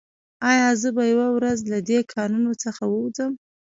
ایا زه به یوه ورځ له دې کانونو څخه ووځم